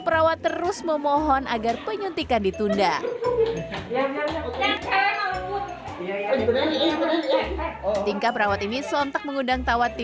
perawat terus memohon agar penyuntikan ditunda tingkah perawat ini sontak mengundang tawat di